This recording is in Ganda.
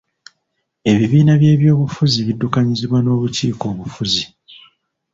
Ebibiina by'ebyobufuzi biddukanyizibwa n'obukiiko obufuzi.